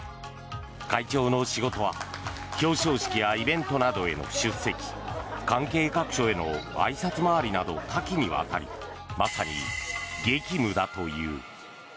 会長の仕事は表彰式やイベントなどへの出席関係各所へのあいさつ回りなど多岐にわたりまさに激務だという。